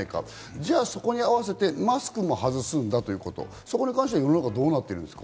じゃあそこに合わせてマスクも外すんだということ、世の中はどうなってるんですか？